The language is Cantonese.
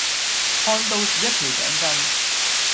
看到是一條頸巾